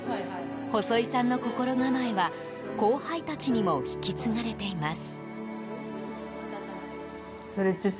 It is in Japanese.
細井さんの心構えは後輩たちにも引き継がれています。